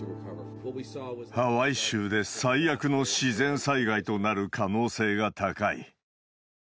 ハワイ州で最悪の自然災害となる可能性が高い。